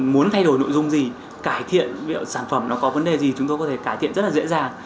muốn thay đổi nội dung gì cải thiện sản phẩm nó có vấn đề gì chúng tôi có thể cải thiện rất là dễ dàng